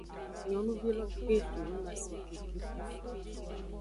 Nyonuvi lo gbe etonumase keke fon efu.